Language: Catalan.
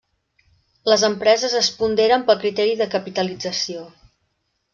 Les empreses es ponderen pel criteri de capitalització.